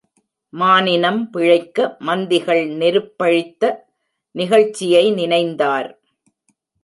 மானினம் பிழைக்க, மந்திகள் நெருப்பழித்த நிகழ்ச்சியை நினைந்தார்.